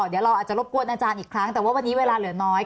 เดี๋ยวเราอาจจะรบกวนอาจารย์อีกครั้งแต่ว่าวันนี้เวลาเหลือน้อย